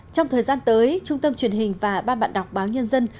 trong thời gian tới trung tâm truyền hình và ban bạn đọc báo nhân dân